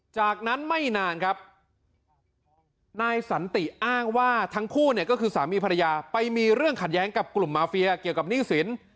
จากนั้นไม่นานครับนายสันติอ้างว่าทั้งคู่เนี่ยก็คือสามีภรรยาไปมีเรื่องขัดแย้งกับกลุ่มมาเฟียเกี่ยวกับหนี้สิน